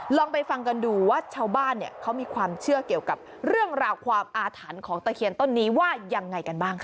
ลองไปฟังกันดูว่าชาวบ้านเนี่ยเขามีความเชื่อเกี่ยวกับเรื่องราวความอาถรรพ์ของตะเคียนต้นนี้ว่ายังไงกันบ้างค่ะ